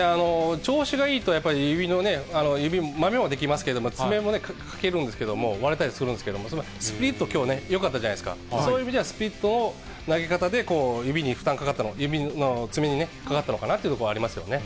調子がいいと、やっぱり指のまめも出来ますけれども、爪も欠けるんですけど、割れたりするんですけど、スプリット、きょうね、よかったじゃないですか、そういう意味ではスプリットの投げ方で指に負担かかった、爪にかかったのかなというところはありますよね。